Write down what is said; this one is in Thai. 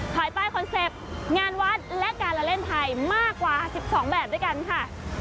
ภายใต้คอนเซ็ปต์งานวัดและการละเล่นไทยมากกว่า๑๒แบบด้วยกันค่ะ